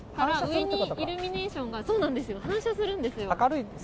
上にイルミネーションが反射するんです。